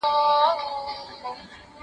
زه اوس سپينکۍ پرېولم